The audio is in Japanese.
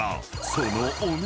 その］